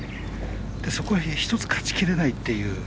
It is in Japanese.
そこで１つ勝ちきれないという。